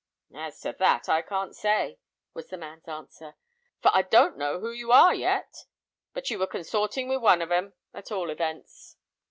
"As to that, I can't say," was the man's answer, "for I don't know who you are yet; but you were consorting with one of 'em, at all events."